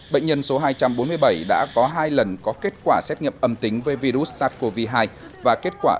bệnh nhân số hai trăm bốn mươi bảy đã có hai lần có kết quả xét nghiệm âm tính với virus sars cov hai và kết quả